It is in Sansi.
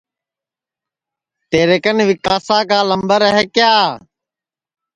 تیرے کن ویکاسا کا لمبر ہے کیا